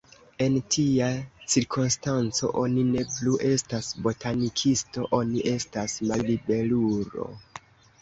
En tia cirkonstanco, oni ne plu estas botanikisto, oni estas malliberulo.